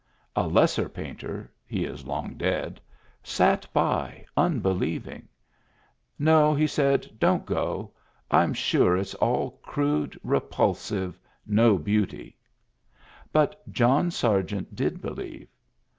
A lesser painter (he is long dead) sat by, unbelieving. No, he said, don't go. I'm sure it's all crude, repulsive, no beauty. But John Sargent did believe.